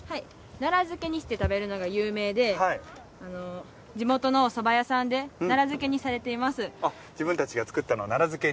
奈良漬にして食べるのが有名で地元のおそば屋さんで奈良漬にされています。